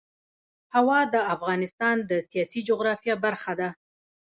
هوا د افغانستان د سیاسي جغرافیه برخه ده.